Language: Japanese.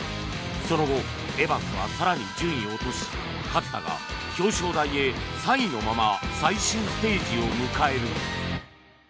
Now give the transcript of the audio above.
その後、エバンスは更に順位を落とし勝田が表彰台へ、３位のまま最終ステージを迎える。